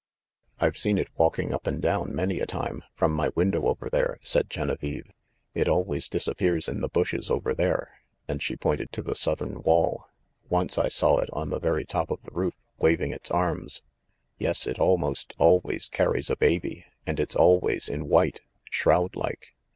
"I've seen it walking up and down many a time, from my window over there," said Genevieve. "It always disappears in the bushes over there," and she pointed to the southern wall. "Once I saw it on the very top of the roof, waving its arms. Yes, it almost always carries a baby, and it's always in white, shroud like.